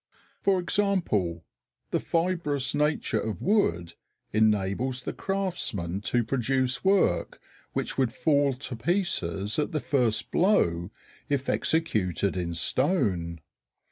For example, the fibrous nature of wood enables the craftsman to produce work which would fall to pieces at the first blow if executed in stone.